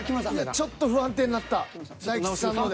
ちょっと不安定になった大吉さんので。